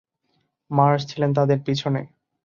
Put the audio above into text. Marsh ছিলেন তাদের পিছনে।